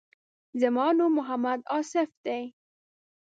زما نوم محمد آصف دی.